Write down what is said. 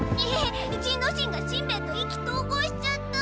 仁之進がしんべヱと意気投合しちゃった。